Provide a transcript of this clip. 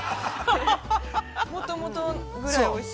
◆もともとぐらい、おいしい。